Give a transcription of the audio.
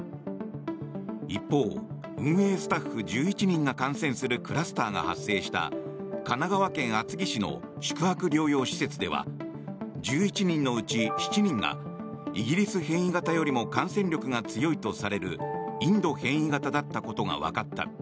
一方、運営スタッフ１１人が感染するクラスターが発生した神奈川県厚木市の宿泊療養施設では１１人のうち７人がイギリス変異型よりも感染力が強いとされるインド変異型だったことがわかった。